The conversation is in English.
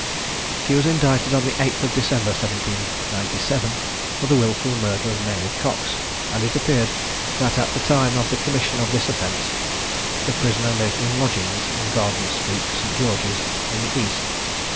She was indicted on the 8th of December 1797, for the wilful murder of Mary Cox; and it appeared that at the time of the commission of this offence, the prisoner lived in lodgings in Garden street, St. George's in the East.